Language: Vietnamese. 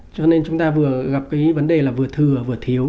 cho nên chúng ta vừa gặp cái vấn đề là vừa thừa vừa thiếu